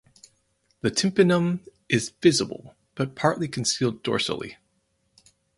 The tympanum is visible but partly concealed dorsally.